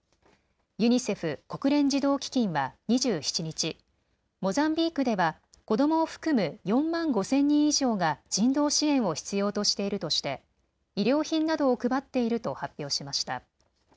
ユニセフ・国連児童基金は２７日、モザンビークでは子ども含む４万５０００人以上が人道支援を必要としているとして衣料品などを配っていると発表しました。